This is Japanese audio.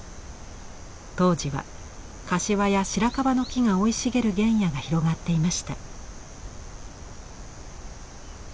当時は柏や白樺の木が生い茂る原野が広がっていました。